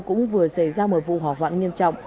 cũng vừa xảy ra một vụ hỏa hoạn nghiêm trọng